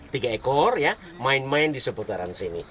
tiga ekor ya main main di seputaran sini